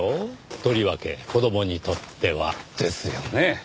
とりわけ子供にとっては。ですよね。